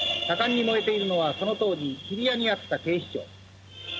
盛んに燃えているのはこの当時日比谷にあった警視庁。